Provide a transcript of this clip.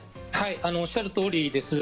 おっしゃるとおりです。